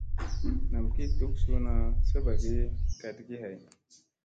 Nam ki duk suuna saɓagibkaɗgi hay.